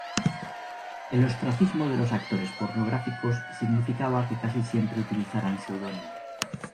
El ostracismo de los actores pornográficos significaba que casi siempre utilizaran seudónimos.